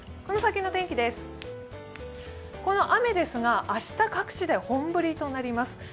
この雨ですが、明日各地で本降りとなります。